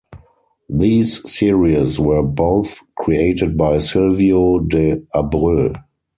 These series were both created by Silvio de Abreu.